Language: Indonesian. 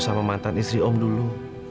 sama mantan istri om dulu